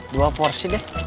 dua porsi deh